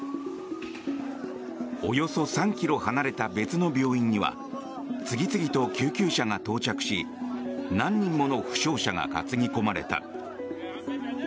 およそ３ｋｍ離れた別の病院には次々と救急車が到着し何人もの負傷者が担ぎ込まれた。